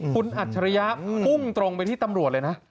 คุณอัจฉริยะพุ่งตรงไปที่ตำรวจเลยนะ